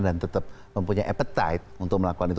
dan tetap mempunyai appetite untuk melakukan itu